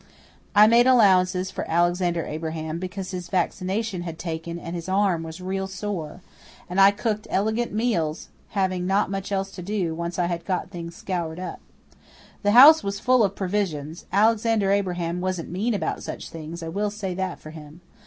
I made allowances for Alexander Abraham because his vaccination had taken and his arm was real sore; and I cooked elegant meals, not having much else to do, once I had got things scoured up. The house was full of provisions Alexander Abraham wasn't mean about such things, I will say that for him.